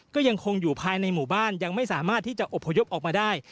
ก็ยังคงอยู่ภายในหมู่บ้านยังไม่สามารถที่จะอบพยพออกมาได้